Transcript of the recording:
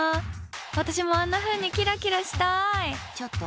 私もあんなふうにキラキラしたい！